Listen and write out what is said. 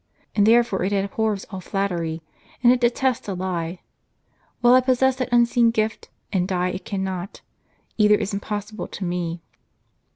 And therefore it abhors all flattery, and it detests a lie. While I possess that unseen gift, and die it cannot, either is impossible to me."